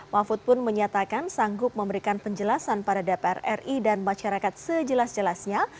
mahfud pun menyatakan sanggup memberikan penjelasan pada dpr ri dan masyarakat sejelas jelasnya